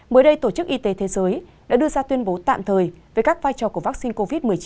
mới đây tổ chức y tế thế giới đã đưa ra tuyên bố tạm thời về các vai trò của vaccine covid một mươi chín